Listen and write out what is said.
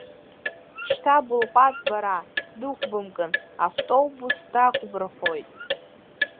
Шьҭа былҟәаҵ бара, дықәбымкын, автобус дагбырхоит…